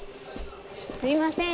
すいません